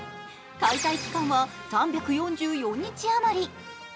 滞在期間は３４４日余り。